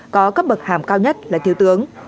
có cấp bậc hàm cao nhất là thiếu tướng